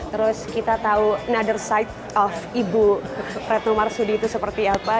terus kita tahu nother side of ibu retno marsudi itu seperti apa